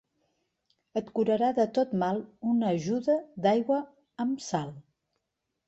Et curarà de tot mal una ajuda d'aigua amb sal.